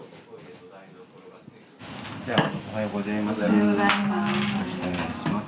おはようございます。